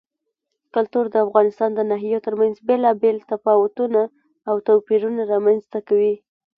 کلتور د افغانستان د ناحیو ترمنځ بېلابېل تفاوتونه او توپیرونه رامنځ ته کوي.